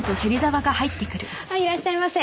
いらっしゃいませ。